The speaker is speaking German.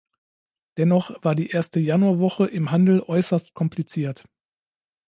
Dennoch war die erste Januarwoche im Handel äußerst kompliziert.